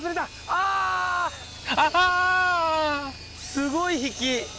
⁉すごい引き！